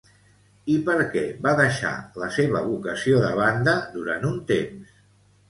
I per què va deixar la seva vocació de banda durant un temps?